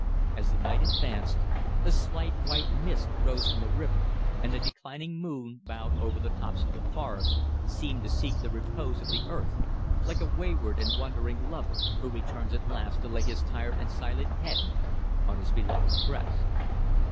As the night advanced, a slight white mist rose from the river, and the declining moon, bowed over the tops of the forest, seemed to seek the repose of the earth, like a wayward and wandering lover who returns at last to lay his tired and silent head on his beloved's breast.